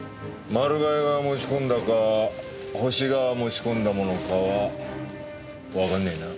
マルガイが持ち込んだかホシが持ち込んだものかはわかんねえな。